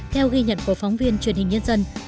theo ghi nhận của phóng viên truyền hình nhân dân